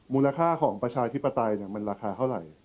มูลค่าของประชาธิปไตยมันราคาเท่าไหร่